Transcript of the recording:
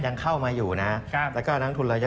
ยังเข้ามาอยู่นะครับแล้วก็นักทุนระยะ